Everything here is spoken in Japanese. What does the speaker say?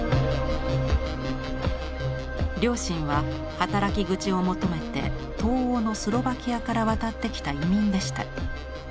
両親は働き口を求めて東欧のスロバキアから渡ってきた移民でした。